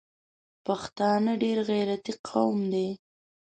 پښتانه ډېر غیرتي قوم ده